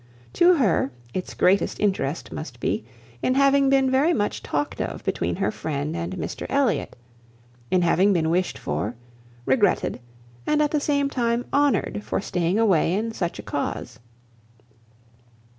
To her, its greatest interest must be, in having been very much talked of between her friend and Mr Elliot; in having been wished for, regretted, and at the same time honoured for staying away in such a cause.